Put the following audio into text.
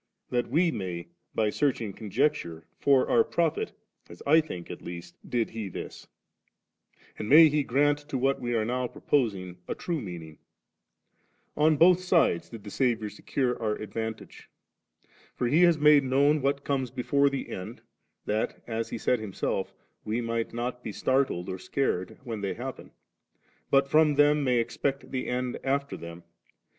as we may by searching con jecture, for our profit % as I think at least, did He this ; and may He grant to what we are now proposing a true meaning 1 On both sides did the Saviour secure our advantage ; for He has made known what comes before the end, diat, as He said Himself, we might not be startled nor scared, when they happen, but from them may expect the end after them.